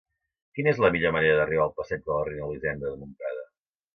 Quina és la millor manera d'arribar al passeig de la Reina Elisenda de Montcada?